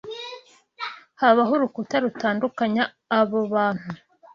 habaho urukuta rutandukanya abo bantu